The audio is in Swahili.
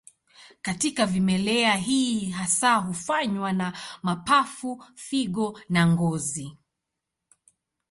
Katika vimelea hii hasa hufanywa na mapafu, figo na ngozi.